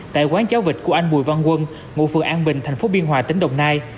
tại quán giáo vị của anh bùi văn quân ngụ phường an bình thành phố biên hòa tỉnh đồng nai